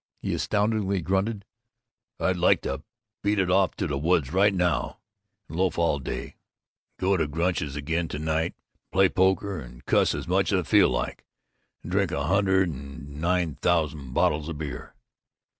He astoundingly grunted, "I'd like to beat it off to the woods right now. And loaf all day. And go to Gunch's again to night, and play poker, and cuss as much as I feel like, and drink a hundred and nine thousand bottles of beer."